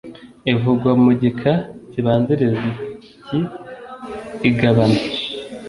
Ivugwa mu gika kibanziriza iki igabana